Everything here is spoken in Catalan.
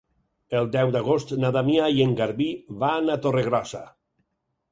El deu d'agost na Damià i en Garbí van a Torregrossa.